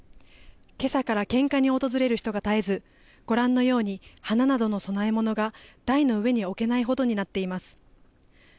けさから献花に訪れる人が絶えずご覧のように花などの供え物が台の上に置けないほどになっています。